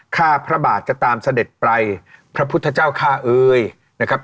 ข้าพระบาทจะตามเสด็จไปพระพุทธเจ้าข้าเอ่ยนะครับ